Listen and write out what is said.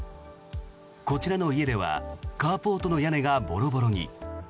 こちらの家ではカーポートの屋根がボロボロに。